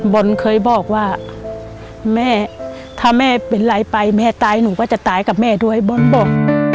บอลเคยบอกว่าแม่ถ้าแม่เป็นไรไปแม่ตายหนูก็จะตายกับแม่ด้วยบอลบอก